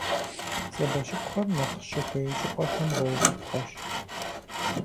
Сабэщыпхэр нэхъ щыхуей щӀыпӀэхэм гъэувыпхъэщ.